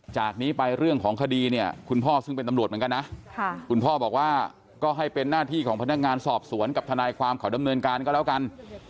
จากนี้ไปเรื่องของคดีเนี่ยคุณพ่อซึ่งเป็นตำรวจเหมือนกันนะคุณพ่อบอกว่าก็ให้เป็นหน้าที่ของพนักงานสอบสวนกับทนายความเขาดำเนินการก็แล้วกัน